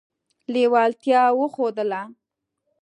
لېوالتیا وښودله.